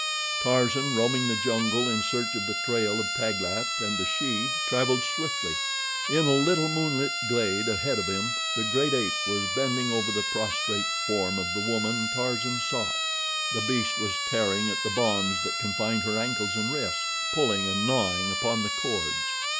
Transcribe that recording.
Tarzan, roaming the jungle in search of the trail of Taglat and the she, traveled swiftly. In a little moonlit glade ahead of him the great ape was bending over the prostrate form of the woman Tarzan sought. The beast was tearing at the bonds that confined her ankles and wrists, pulling and gnawing upon the cords.